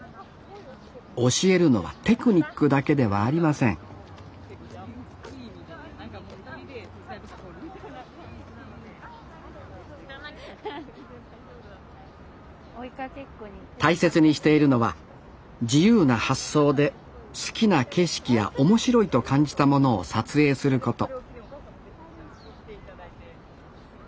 教えるのはテクニックだけではありません大切にしているのは自由な発想で好きな景色や面白いと感じたものを撮影すること